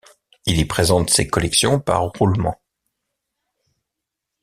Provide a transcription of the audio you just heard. Il y présente ses collections par roulement.